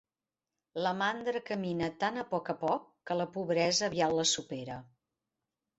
La mandra camina tan a poc a poc que la pobresa aviat la supera.